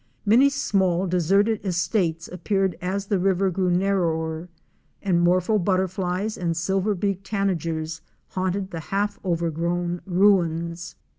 Many small, deserted estates appeared as the river grew narrower, and morpho butter flies and Silver beak Tanagers ™' haunted the half overgrown ruins.